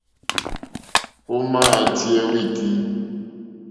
Ò màá tíyɛ́ wítí.